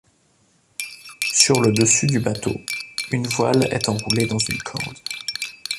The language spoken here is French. Sur le dessus du bateau, une voile est enroulée dans une corde.